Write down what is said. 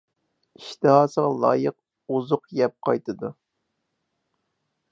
ئىشتىھاسىغا لايىق ئۇزۇق يەپ قايتىدۇ .